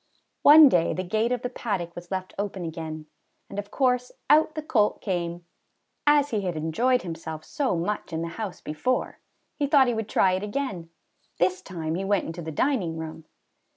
One day the gate of the paddock was left open again, and of course out the colt came. As he had enjoyed himself so much in the house before, he thought he would try it again. This time he went into the dining room.